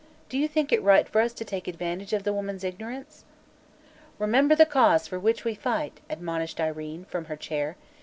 "Do you think it right for us to take advantage of the woman's ignorance?" "Remember the Cause for which we fight!" admonished Irene, from her chair.